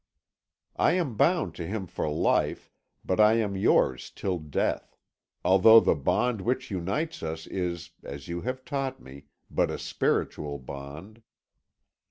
I am bound to him for life, but I am yours till death although the bond which unites us is, as you have taught me, but a spiritual bond.